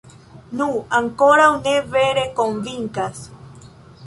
Nu, ankoraŭ ne vere konvinkas.